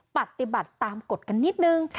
ปฏิบัติตามกฎกันนิดนึง